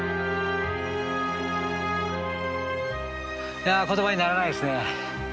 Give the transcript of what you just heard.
いや言葉にならないですね。